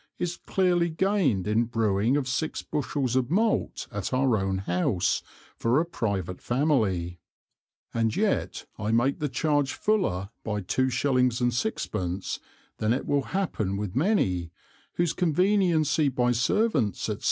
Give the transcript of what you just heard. is clearly gained in Brewing of six Bushels of Malt at our own House for a private Family, and yet I make the Charge fuller by 2 s. and 6 d. then it will happen with many, whose Conveniency by Servants, &c.